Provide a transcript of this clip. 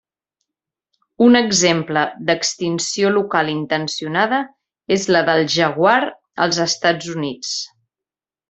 Un exemple d'extinció local intencionada és la del jaguar als Estats Units.